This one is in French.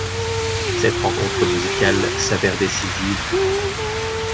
Cette rencontre musicale s'avère décisive.